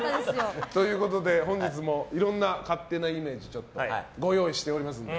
本日もいろんな勝手なイメージご用意しておりますので。